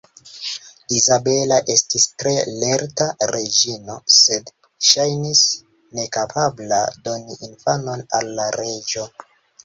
Izabela estis tre lerta reĝino, sed ŝajnis nekapabla doni infanon al la reĝo.